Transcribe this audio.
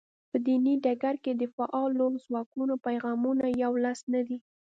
په دیني ډګر کې د فعالو ځواکونو پیغامونه یو لاس نه دي.